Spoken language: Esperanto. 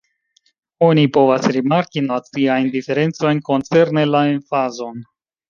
Oni povas rimarki naciajn diferencojn koncerne la emfazon.